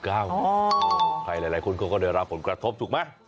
ใครหลายคนเขาก็ได้รับผลกระทบถูกไหม